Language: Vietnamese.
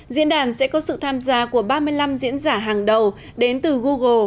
diễn đàn sẽ có sự tham gia của ba mươi năm diễn giả hàng đầu đến từ google